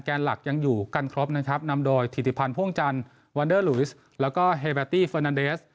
แกนหลักยังอยู่กันครบนะครับนำโดยถิติพันธ์พ่วงจันทร์แล้วก็เฮเบตตี้เฟอร์นันเดส